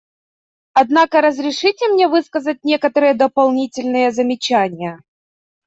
Однако разрешите мне высказать некоторые дополнительные замечания.